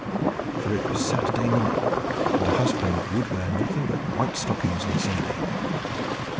For it was Saturday night, and her husband would wear nothing but white stockings on Sunday.